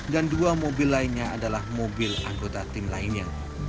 dan dua mobil lainnya adalah mobil anggota tim lainnya